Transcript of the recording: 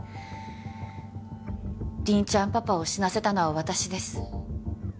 凛ちゃんパパを死なせたのは私です。